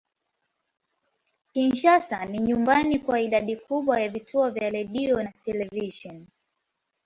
Kinshasa ni nyumbani kwa idadi kubwa ya vituo vya redio na televisheni.